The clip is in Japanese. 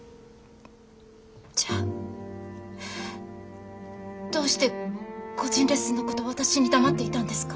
じゃあどうして個人レッスンのこと私に黙っていたんですか？